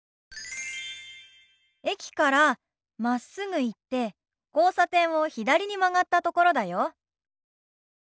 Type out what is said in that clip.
駅からまっすぐ行って交差点を左に曲がったところだよ。